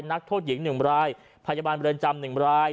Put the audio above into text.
นักโทษหญิงหนึ่งรายพยาบาลเมืองจำหนึ่งราย